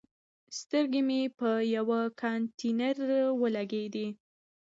سترګې مې په یوه کانتینر ولګېدي.